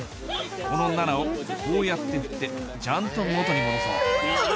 この７をこうやって振ってちゃんと元に戻そうウソ！